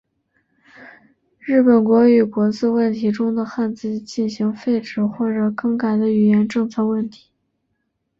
日本国语国字问题中的汉字进行废止或者更改的语言政策问题。